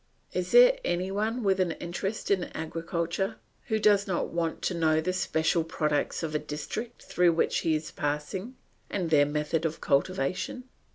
Is there any one with an interest in agriculture, who does not want to know the special products of the district through which he is passing, and their method of cultivation?